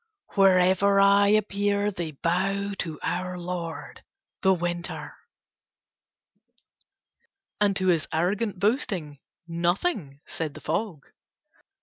Wherever I appear they bow to our lord the Winter." And to his arrogant boasting nothing said the fog.